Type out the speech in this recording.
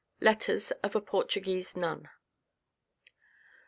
Letters of a Portuguese Nun.